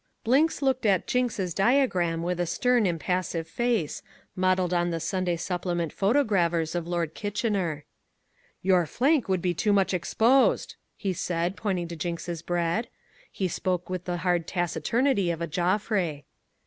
Blinks looked at Jinks' diagram with a stern impassive face, modelled on the Sunday supplement photogravures of Lord Kitchener. "Your flank would be too much exposed," he said, pointing to Jinks' bread. He spoke with the hard taciturnity of a Joffre.